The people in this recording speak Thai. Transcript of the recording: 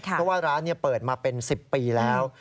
เพราะว่าร้านเปิดมาเป็น๑๐ปีแล้ว